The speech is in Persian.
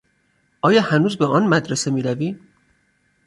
آیا هنوز به آن مدرسه میروی؟